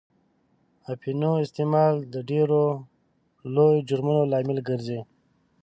اپینو استعمال د ډېرو لویو جرمونو لامل ګرځي.